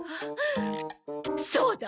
そうだ。